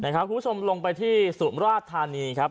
คุณผู้ชมลงไปที่สุมราชธานีครับ